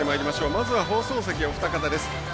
まずは放送席、お二方です。